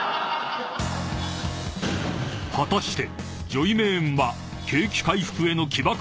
［果たして］